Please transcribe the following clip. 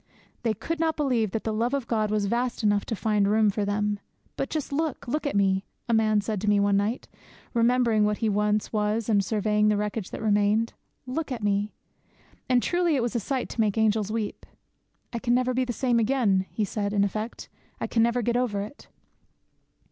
They could believe that the love of God was vast enough to find room for them; but just look! 'Look at me!' a man said to me one night, remembering what he once was and surveying the wreckage that remained, 'look at me!' And truly it was a sight to make angels weep. 'I can never be the same again,' he said in effect, 'I can never get over it!'